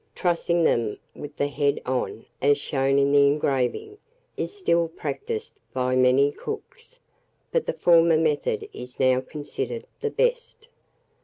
Trussing them with the head on, as shown in the engraving, is still practised by many cooks, but the former method is now considered the best.